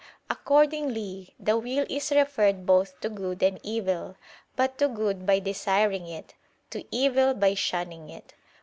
Accordingly, the will is referred both to good and evil: but to good by desiring it: to evil, by shunning it.